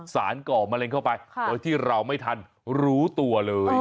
ก่อมะเร็งเข้าไปโดยที่เราไม่ทันรู้ตัวเลย